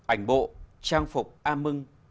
ảnh bộ trang phục am mưng